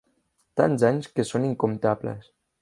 Tants anys que són incomptables.